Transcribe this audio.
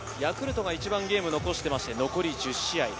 ヤクルトがゲーム残しまして、残り１０試合。